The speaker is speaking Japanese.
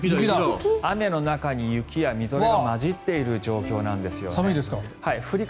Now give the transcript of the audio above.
雨の中に、雪やみぞれが交じっている状況なんですよね。